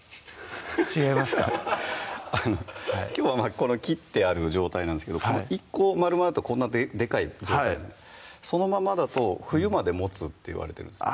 違いますかきょうは切ってある状態なんですけど１個まるまるだとこんなでかい状態そのままだと冬までもつっていわれてるんです